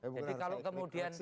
jadi kalau kemudian